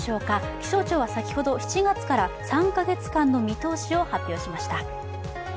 気象庁は先ほど、７月から３か月間の見通しを発表しました。